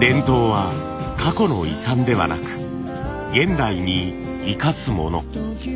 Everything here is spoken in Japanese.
伝統は過去の遺産ではなく現代に生かすもの。